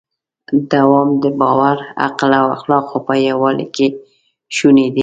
دوام د باور، عقل او اخلاقو په یووالي کې شونی دی.